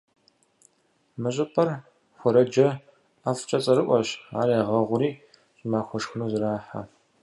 Мы щӏыпӏэр хуэрэджэ ӏэфӏкӏэ цӏэрыӏуэщ, ар ягъэгъури, щӏымахуэ шхыну зэрахьэ.